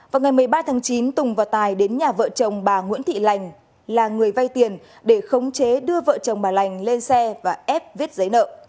vào ngày một mươi ba tháng chín tùng và tài đến nhà vợ chồng bà nguyễn thị lành là người vay tiền để khống chế đưa vợ chồng bà lành lên xe và ép viết giấy nợ